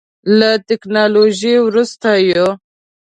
له ټکنالوژۍ وروسته یو.